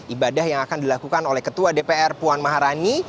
ibadah yang akan dilakukan oleh ketua dpr puan maharani